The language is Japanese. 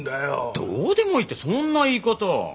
どうでもいいってそんな言い方。